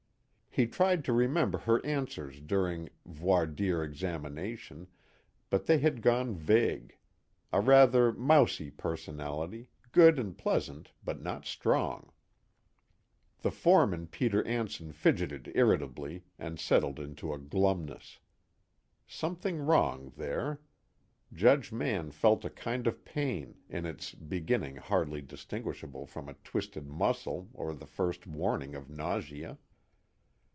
he tried to remember her answers during voir dire examination, but they had gone vague: a rather mousy personality, good and pleasant but not strong. The foreman Peter Anson fidgeted irritably, and settled into a glumness. Something wrong there. Judge Mann felt a kind of pain, in its beginning hardly distinguishable from a twisted muscle or the first warning of nausea.